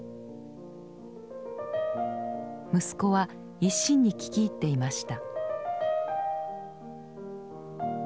息子は一心に聴き入っていました。